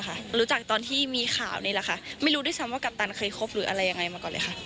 เขาบอกว่าเขาไม่เข้าข้างใครค่ะ